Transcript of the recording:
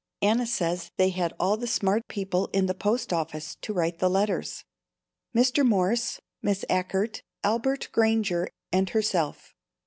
Anna says they had all the smart people in the post office to write the letters, Mr. Morse, Miss Achert, Albert Granger and herself.